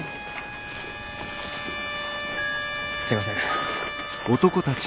すいません。